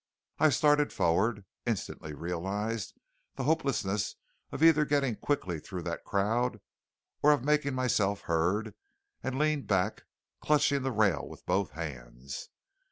I started forward, instantly realized the hopelessness of either getting quickly through that crowd or of making myself heard, and leaned back, clutching the rail with both hands.